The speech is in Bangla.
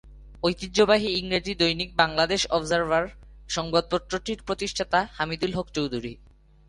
ঐতিহ্যবাহী ইংরেজি দৈনিক বাংলাদেশ অবজারভার, সংবাদপত্রটির প্রতিষ্ঠাতা হামিদুল হক চৌধুরী।